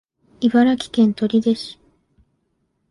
茨城県取手市